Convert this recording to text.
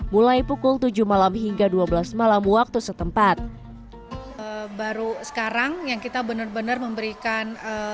mulai pukul tujuh malam hingga dua belas malam waktu setempat baru sekarang yang kita benar benar memberikan